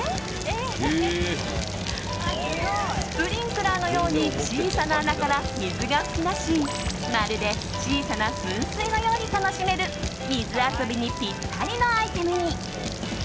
スプリンクラーのように小さな穴から水が噴き出しまるで小さな噴水のように楽しめる水遊びにぴったりのアイテムに。